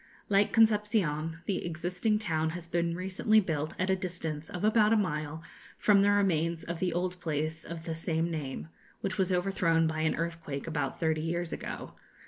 Like Concepcion, the existing town has been recently built at a distance of about a mile from the remains of the old place of the same name, which was overthrown by an earthquake about thirty years ago.